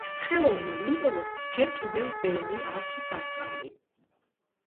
ხელოვნურ ინტელექტს ჯერ კიდევ ბევრი აქვს სასწავლი